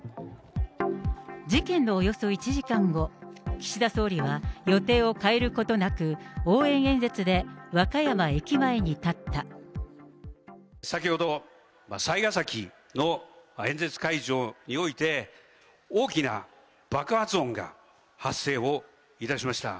事件のおよそ１時間後、岸田総理は予定を変えることなく、先ほど、雑賀崎の演説会場において、大きな爆発音が発生をいたしました。